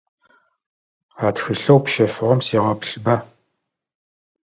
А тхылъэу пщэфыгъэм сегъэплъыба.